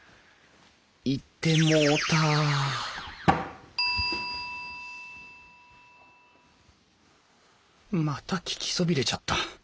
行ってもうたまた聞きそびれちゃった。